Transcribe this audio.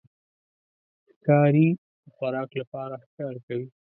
ښکاري د خوراک لپاره ښکار کوي.